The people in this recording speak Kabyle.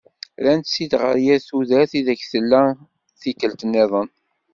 Rran-tt-id ɣer yir tudert i deg i tella i tikelt niḍen.